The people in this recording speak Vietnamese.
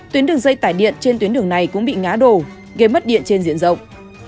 tuyến đường dây tải điện trên tuyến đường này cũng bị ngã đổ gây mất điện trên diện rộng